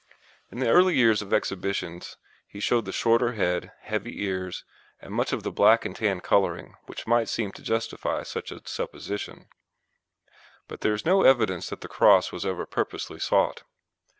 In the early years of exhibitions he showed the shorter head, heavy ears, and much of the black and tan colouring which might seem to justify such a supposition; but there is no evidence that the cross was ever purposely sought.